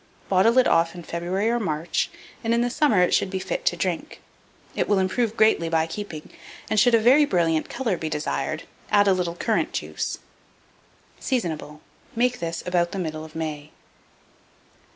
Bottle it off in February or March, and in the summer it should be fit to drink. It will improve greatly by keeping; and, should a very brilliant colour be desired, add a little currant juice. Seasonable. Make this about the middle of May.